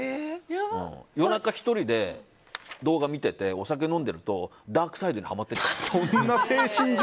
夜中１人で動画を見ててお酒飲んでるとダークサイドにはまっていっちゃう。